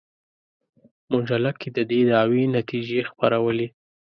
مجله کې د دې دعوې نتیجې خپرولې.